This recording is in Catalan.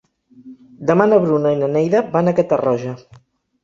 Demà na Bruna i na Neida van a Catarroja.